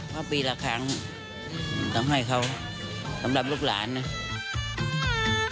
เพราะปีละครั้งต้องให้เขาสำหรับลูกหลานนะ